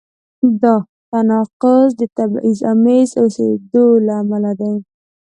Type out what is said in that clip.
دا تناقض د تبعیض آمیز اوسېدو له امله دی.